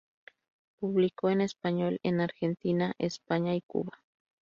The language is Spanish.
Publicó en español en Argentina, España y Cuba.